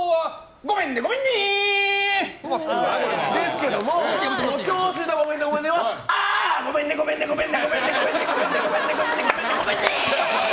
ごめんねごめんねごめんねごめんね！